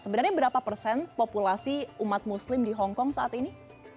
sebenarnya berapa persen populasi umat muslim di hongkong saat ini